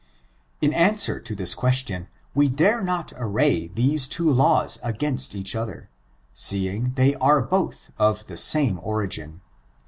In answer to this question, we dare not array these two laws against each other, seeing they are both of the same origin.